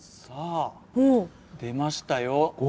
さあ出ましたよ。